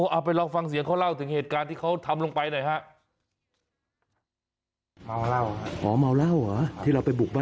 เอาไปลองฟังเสียงเขาเล่าถึงเหตุการณ์ที่เขาทำลงไปหน่อยฮะ